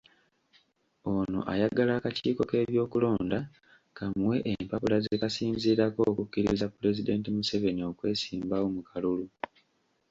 Ono ayagala akakiiko k’ebyokulonda kamuwe empapula ze kasinziirako okukkiriza Pulezidenti Museveni okwesimbawo mu kalulu.